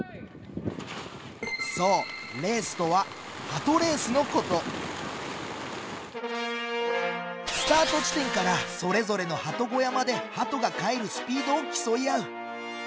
そうレースとはハトレースのことスタート地点からそれぞれのハト小屋までハトが帰るスピードを競い合う！